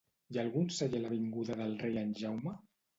Hi ha algun celler a l'avinguda del Rei en Jaume?